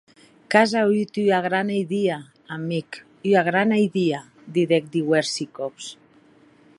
Qu’as auut ua grana idia, amic, ua grana idia, didec diuèrsi còps.